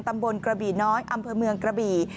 ตำบลกระบี่น้อยอำเภอเมืองกระบี่